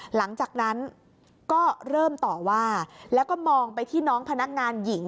หลังจากนั้นก็เริ่มต่อว่าแล้วก็มองไปที่น้องพนักงานหญิง